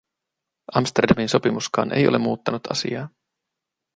Amsterdamin sopimuskaan ei ole muuttanut asiaa.